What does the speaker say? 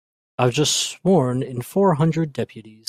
I've just sworn in four hundred deputies.